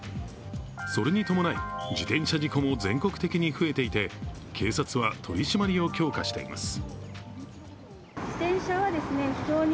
それに伴い、自転車事故も全国的に増えていて、警察は取り締まりを強化しています。